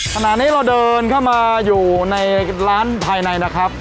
ขณะนี้เราเดินเข้ามาอยู่ในร้านภายในนะครับ